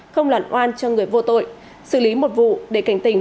không lản oan cho người vô tội xử lý một vụ để cảnh tình